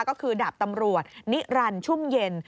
ก็คือดาบตำรวจนิรันดิชุ่มเย็น